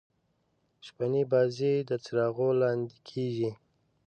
شپنۍ بازۍ د څراغو لانديکیږي.